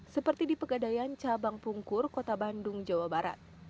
seperti di pegadaian cabang pungkur kota bandung jawa barat